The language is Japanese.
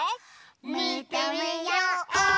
みてみよう！